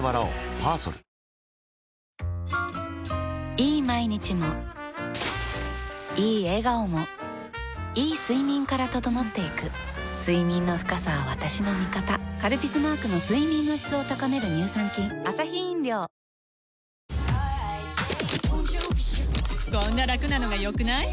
いい毎日もいい笑顔もいい睡眠から整っていく睡眠の深さは私の味方「カルピス」マークの睡眠の質を高める乳酸菌ハロー「生茶」家では淹れられないお茶のおいしさ